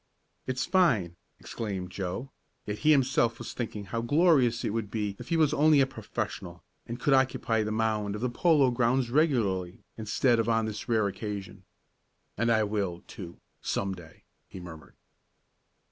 "It's fine!" exclaimed Joe, yet he himself was thinking how glorious it would be if he was only a professional, and could occupy the mound of the Polo Grounds regularly instead of on this rare occasion. "And I will, too, some day!" he murmured.